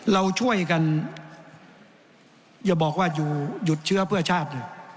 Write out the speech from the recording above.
เราช่วยกันอย่าบอกว่าอยู่หยุดเชื้อเพื่อชาติ